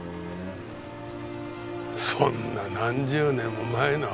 そんな何十年も前の話。